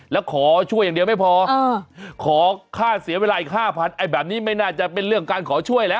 แล้วขอช่วยอย่างเดียวไม่พอขอค่าเสียเวลาอีกห้าพันไอ้แบบนี้ไม่น่าจะเป็นเรื่องการขอช่วยแล้ว